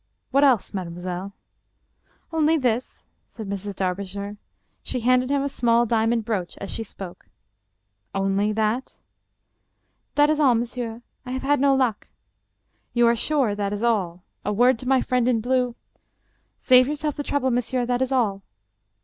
What else, mademoiselle ?"" Only this," said Mrs. Darbishire. She handed him a small diamond brooch as she spoke. "Only that?" 292 Mr. Twistleton's Typewriter "That is all, monsieur. I have had no luck." " You are sure that is all ? A word to my friend in tlue "" Save yburself the trouble, monsieur. That is all."